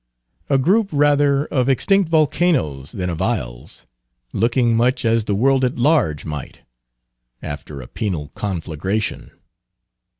A group rather of extinct volcanoes than of isles; looking much as the world at large might, after a penal conflagration.